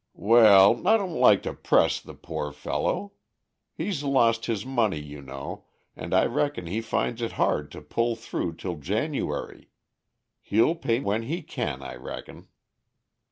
"Well, I don't like to press the poor fellow. He's lost his money you know, and I reckon he finds it hard to pull through till January. He'll pay when he can, I reckon."